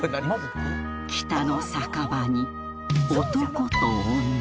北の酒場に男と女